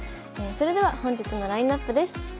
それでは本日のラインナップです。